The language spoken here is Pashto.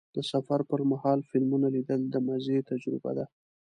د سفر پر مهال فلمونه لیدل د مزې تجربه ده.